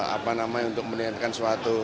apa namanya untuk meningatkan suatu